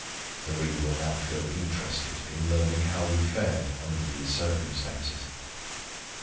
The reader will now feel interested in learning how we fared under these circumstances.